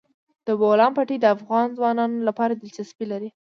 د بولان پټي د افغان ځوانانو لپاره دلچسپي لري.